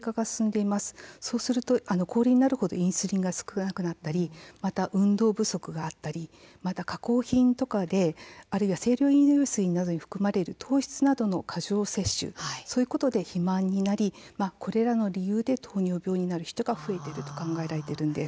そうすると高齢になるほどインスリンが少なくなったり運動不足があったり加工品とかであるいは清涼飲料水などに含まれる糖質の過剰摂取そうしたことで肥満になりこれらの理由で糖尿病になる人が増えていると考えられています。